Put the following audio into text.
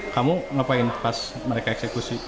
kamu ngapain pas mereka eksekusi